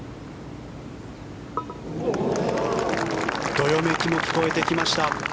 どよめきも聞こえてきました。